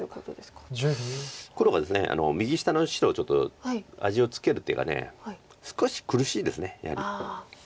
ただ今黒がですね右下の白をちょっと味をつける手が少し苦しいですやはり。